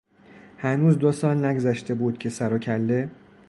هنوز دوسال نگذشته بود که سر و کله